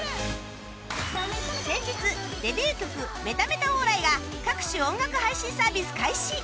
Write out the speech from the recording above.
先日デビュー曲『メタメタオーライ！』が各種音楽配信サービス開始